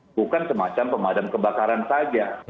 bukan semacam pemadam kebakaran saja